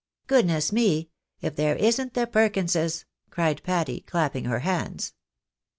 " Goodness me ! If there isn't the Perkinses !" cried Patty, clapping her hands.